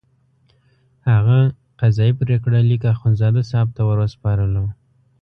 هغه قضایي پرېکړه لیک اخندزاده صاحب ته وروسپارلو.